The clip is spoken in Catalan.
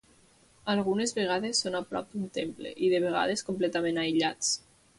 Algunes vegades són a prop d'un temple, i de vegades completament aïllats.